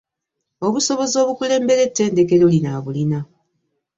Obusobozi obukulembera ettendekero lino abulina.